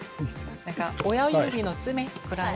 親指の爪くらい。